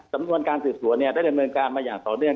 สำนวนการสื่อส่วนเนี่ยได้เริ่มเมินการมาอย่าง๒เดือน